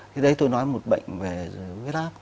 thì đấy tôi nói một bệnh về huyết áp